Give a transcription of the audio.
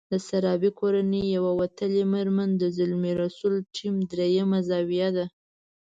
د سرابي کورنۍ يوه وتلې مېرمن د زلمي رسول ټیم درېيمه زاویه ده.